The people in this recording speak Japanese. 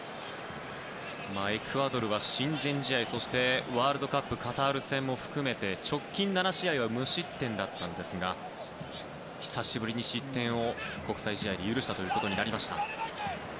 エクアドルは親善試合そしてワールドカップのカタール戦も含めて直近７試合は無失点だったんですが久しぶりに失点を国際試合で許したことになりました。